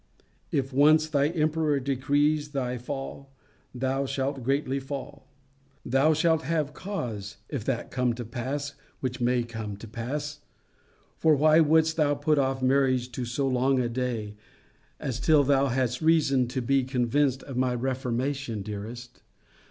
If once thy emperor decrees thy fall, thou shalt greatly fall. Thou shalt have cause, if that come to pass, which may come to pass (for why wouldst thou put off marriage to so long a day, as till thou hadst reason to be convinced of my reformation, dearest?)